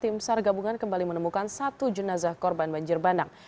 tim sar gabungan kembali menemukan satu jenazah korban banjir bandang